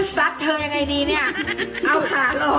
สบัดข่าวเด็ก